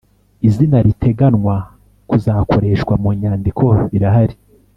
Izina riteganwa kuzakoreshwa munyandiko rirahari